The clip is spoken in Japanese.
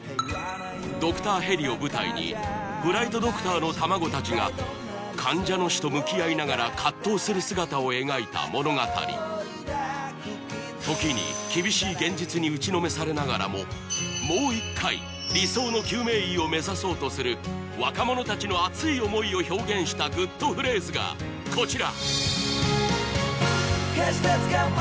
ドクターヘリを舞台にフライトドクターの卵達が患者の死と向き合いながら葛藤する姿を描いた物語時に厳しい現実に打ちのめされながらももう一回理想の救命医を目指そうとする若者達の熱い思いを表現したグッとフレーズがこちら！